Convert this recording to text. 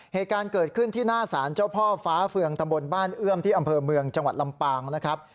เหตุการณ์เกิดขึ้นที่หน้าสารเจ้าพ่อฟ้าเฟืองตำบลบ้านเอื้อมที่อำเภอเมืองจังหวัดลำปางนะครับ